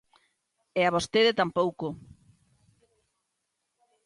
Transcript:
E a vostede tampouco.